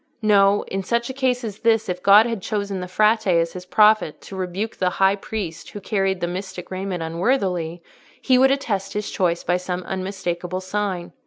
No: in such a case as this, if God had chosen the Frate as his prophet to rebuke the High Priest who carried the mystic raiment unworthily, he would attest his choice by some unmistakable sign.